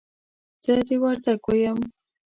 زه د وردګو يم.